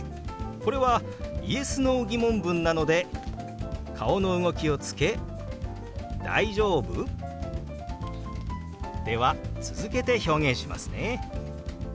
これはＹｅｓ／Ｎｏー疑問文なので顔の動きをつけ「大丈夫？」。では続けて表現しますね。